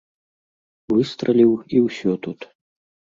Выстраліў, і ўсё тут.